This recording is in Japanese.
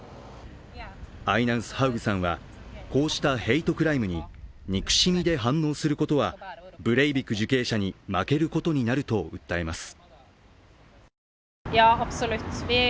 アイナンスハウグさんは、こうしたヘイトクライムに憎しみで反応することはブレイビク受刑者に負けることになると訴えます。